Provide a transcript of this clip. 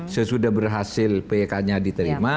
sesudah berhasil pk nya diterima